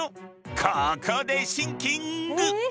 ここでシンキング！